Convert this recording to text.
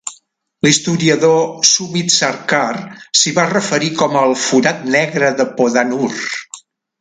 L'historiador Sumit Sarkar s'hi va referir com el "forat negre de Podanur".